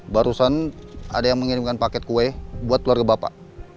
barusan ada yang mengirimkan paket kue buat keluarga bapak